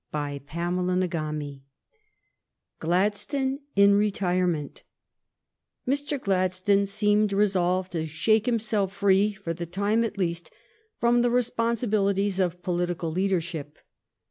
CHAPTER XXVI GLADSTONE IN RETIREMENT Mr. Gladstone seemed resolved to shake him self free, for the time at least, from the responsi bilities of political leadership.